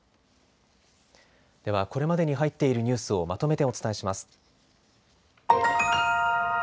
ではこれまでに入っているニュースをまとめてお伝えします。